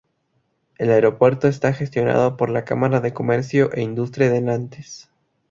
El aeropuerto está gestionado por la Cámara de comercio e industria de Nantes.